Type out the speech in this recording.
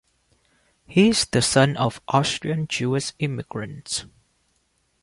He is the son of Austrian Jewish immigrants.